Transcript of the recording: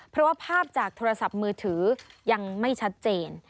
เพราะว่าภาพจากโทรศัพท์มือถือยังไม่ชัดเจน